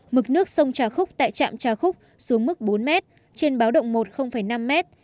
mực nước sông trà khúc tại trạm trà khúc xuống mức bốn mét trên báo động một năm mét